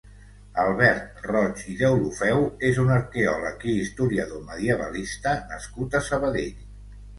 Albert Roig i Deulofeu és un arqueòleg i historiador medievalista nascut a Sabadell.